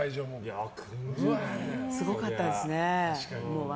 すごかったですね。